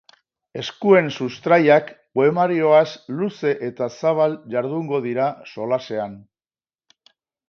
Eskuen sustraiak poemarioaz luze eta zabal jardungo dira solasean.